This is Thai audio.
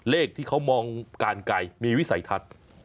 เลขที่เขามองการไก่มีวิสัยทัศน์